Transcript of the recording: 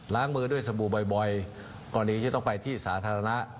ล้างมือด้วยสบู่บ่อยก่อนอีกจะต้องไปที่สาธารณะ